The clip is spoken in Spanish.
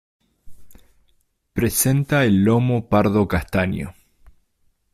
Presenta el lomo pardo castaño.